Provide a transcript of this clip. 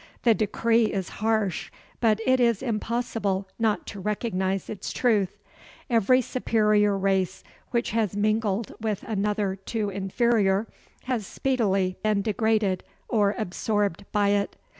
The decree is harsh, but it is impossible not to recognize its truth. Every superior race which has mingled with another too inferior has speedily been degraded or absorbed by it.